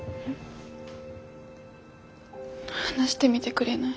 話してみてくれない？